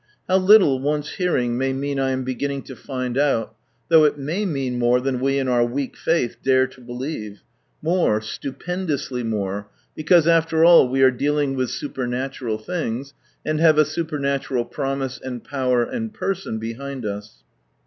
How little once hearing may mean I am beginning to find out, though it may mean more than we in our weak faith dare to believe — more, stupendously more, — because after all we are dealing with svipernatural things, and have a supernatural Promise and Power and Person behind us.